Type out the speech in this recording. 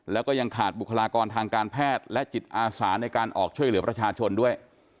แล้วก็ยังขาดบุคลากรทางการแพทย์และจิตอาสาในการออกช่วยเหลือประชาชนด้วย